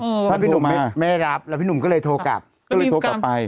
เพราะพี่หนุ่มไม่รับแล้วพี่หนุ่มก็เลยโทรกลับก็เลยโทรกลับไป